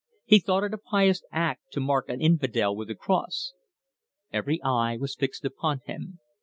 He thought it a pious act to mark an infidel with the cross." Every eye was fixed upon him.